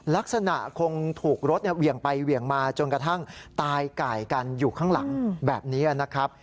ลักษณะคงถูกรถเหวี่ยงไปเหวี่ยงมาจนกระทั่งตายไก่กันอยู่ข้างหลังแบบนี้นะครับ